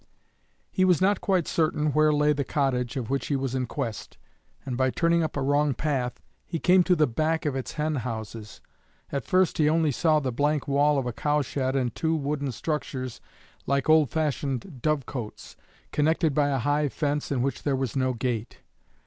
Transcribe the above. He was not quite certain where lay the cottage of which he was in quest; and, by turning up a wrong path, he came to the back of its hen houses. At first he only saw the blank wall of a cowshed and two wooden structures like old fashioned dovecotes, connected by a high fence in which there was no gate.